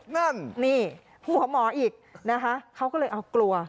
นั่นนี่หัวหมออีกนะคะเขาก็เลยเอากลัว